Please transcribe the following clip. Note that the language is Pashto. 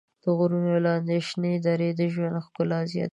د غرونو لاندې شنې درې د ژوند ښکلا زیاتوي.